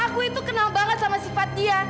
aku itu kenal banget sama sifat dia